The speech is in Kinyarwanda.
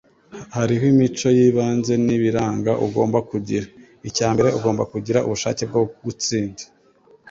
Hariho imico y'ibanze n'ibiranga ugomba kugira. Icya mbere: ugomba kugira ubushake bwo gutsinda. ”